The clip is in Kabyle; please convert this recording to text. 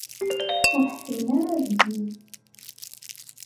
Ur ḥekkmen ara deg-i!